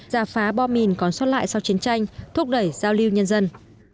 giả phá bom mìn còn sót lại sau chiến tranh thúc đẩy giao lưu nhân dân